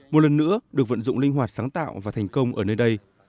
một lần nữa được vận dụng linh hoạt sáng tạo và thành công ở nơi đây